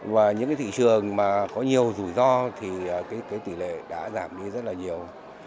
và những cái thị trường mà có nhiều rủi ro thì cái tỷ lệ đã giảm đi rất là nhiều